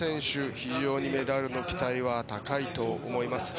非常にメダルの期待は高いと思います。